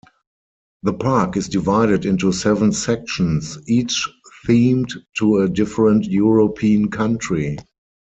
The park is divided into seven sections, each themed to a different European country.